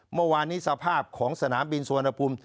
เมื่อวานนี้สภาพของสนามบินสุวรรณภูมิ